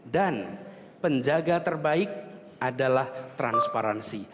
dan penjaga terbaik adalah transparansi